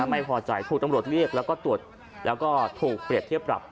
ไม่พอใจถูกตำรวจเรียกแล้วก็ตรวจแล้วก็ถูกเปรียบเทียบปรับ